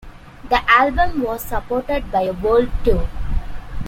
The album was supported by a world tour.